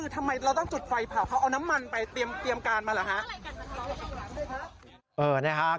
ต้องจุดไฟเผาเขาเอาน้ำมันไปเตรียมการมาหรือครับ